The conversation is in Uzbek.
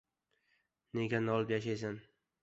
Nega nolib yashaysan?..